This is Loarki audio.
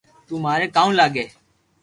تو ماري ڪاو لاگي